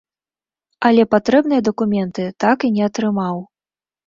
Але патрэбныя дакументы так і не атрымаў.